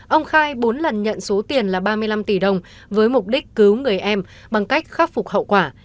ông khai bốn lần nhận số tiền là ba mươi năm tỷ đồng với mục đích cứu người em bằng cách khắc phục hậu quả